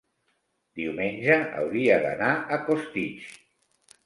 Diumenge hauria d'anar a Costitx.